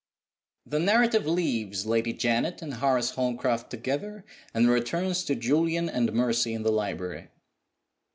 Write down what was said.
THE narrative leaves Lady Janet and Horace Holmcroft together, and returns to Julian and Mercy in the library.